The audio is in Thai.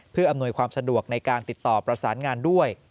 เพื่ออำนวยความสะดวกในการติดต่อประสานงานด้วย